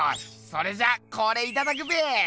それじゃあこれいただくべ！